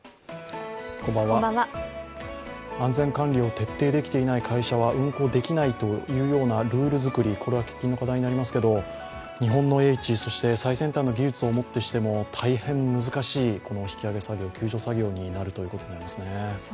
安全管理を徹底できていない会社は運航できないというようなルール作り、これは喫緊の課題になりますが、日本の英智、そして最先端の技術を持ってしても、大変難しい引き揚げ作業、救助作業になるということになりますね。